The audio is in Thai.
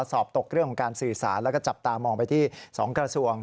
สอบตกเรื่องของการสื่อสารแล้วก็จับตามองไปที่๒กระทรวง